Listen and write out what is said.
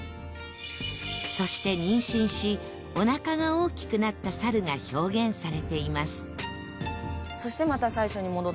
そして妊娠しお腹が大きくなった猿が表現されています